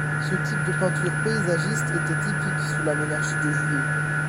Ce type de peinture paysagiste était typique sous la monarchie de Juillet.